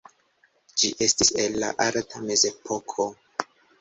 Ĝi estis el la alta mezepoko.